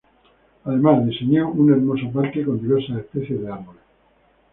Además, diseñó un hermoso parque con diversas especies de árboles.